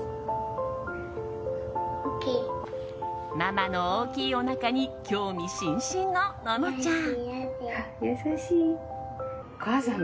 ママの大きいおなかに興味津々の、ののちゃん。